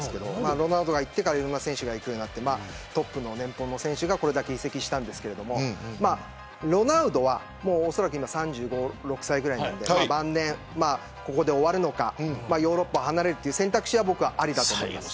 ロナウドが行ってからいろんな選手が行くようになってトップの年俸の選手がこれだけ移籍したんですけどロナウドは、おそらく今３５、３６歳ぐらいなんで晩年、ここで終わるのかヨーロッパを離れるという選択肢は僕はありだと思います。